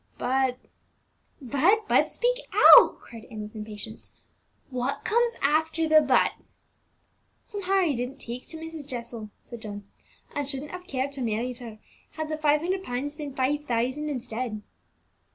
But " "But, but, speak out!" cried Ann with impatience; "what comes after the 'but'?" "Somehow I didn't take to Mrs. Jessel," said John, "and shouldn't have cared to have married her, had the five hundred pounds been five thousand instead."